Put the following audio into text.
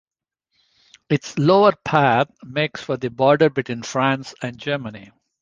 Its lower path makes for the border between France and Germany.